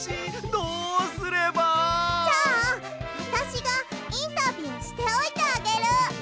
じゃああたしがインタビューしておいてあげる！